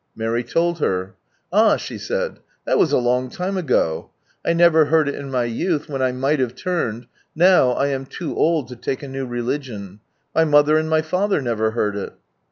Mary lold her. " Ah," she said, " that a long lime ago, I never heard it in my youth, when I might have turned, now I am 100 old to take a new religion ; my mother and my father never heard it